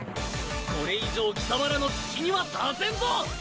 これ以上貴様らの好きにはさせんぞ！